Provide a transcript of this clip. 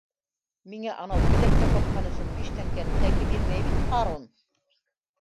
— Миңә анау тиҙәк тапатҡан өсөн биш тәңкәне тәки бирмәй бит, ҡарун.